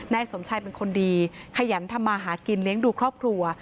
นายสมชายเป็นคนดีขยันทำมาหากินเลี้ยงดูครอบครัว